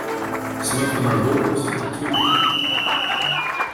Some of them are lords, too.